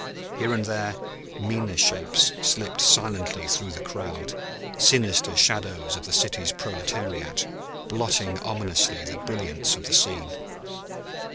Here and there meaner shapes slipped silently through the crowd, sinister shadows of the city's proletariat, blotting ominously the brilliance of the scene.